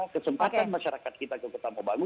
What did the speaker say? kesempatan masyarakat kita ke kota mobagu